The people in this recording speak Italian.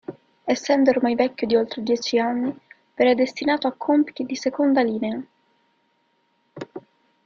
Essendo ormai vecchio di oltre dieci anni, venne destinato a compiti di “seconda linea”.